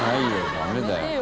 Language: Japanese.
ダメだよ。